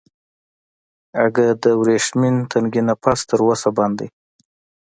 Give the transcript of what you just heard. اگه د ورېښمين تنګي نه پس تر اوسه بند دی.